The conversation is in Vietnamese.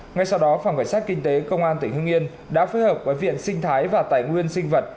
ngay sau đó phòng cảnh sát kinh tế công an tỉnh hưng yên đã phối hợp với viện sinh thái và tài nguyên sinh vật